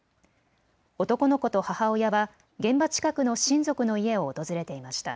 男の子と母親は現場近くの親族の家を訪れていました。